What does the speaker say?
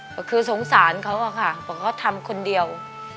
ก็คือสงสารเขาอะค่ะเพราะเขาทำคนเดียว